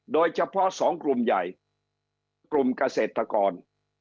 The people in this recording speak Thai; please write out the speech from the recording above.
โดยเฉพาะสองกลุ่มใหญ่กลุ่มเกษตรกร